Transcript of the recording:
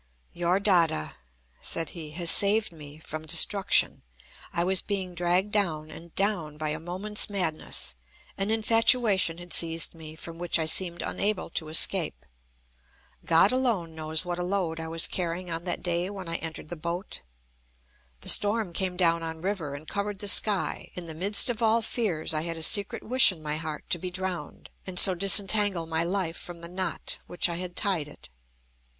"Your Dada," said he, "has saved me from destruction. I was being dragged down and down by a moments madness. An infatuation had seized me, from which I seemed unable to escape. God alone knows what a load I was carrying on that day when I entered the boat. The storm came down on river, and covered the sky. In the midst of all fears I had a secret wish in my heart to be drowned, and so disentangle my life from the knot which I had tied it.